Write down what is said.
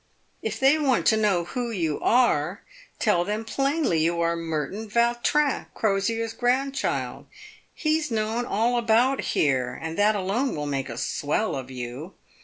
If they want to know who you are, tell them plainly you are Merton Vautrin, Crosier's grandchild. He's known all about here, and that alone will make a swell of you.